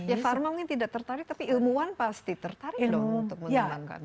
ya farma mungkin tidak tertarik tapi ilmuwan pasti tertarik dong untuk mengembangkan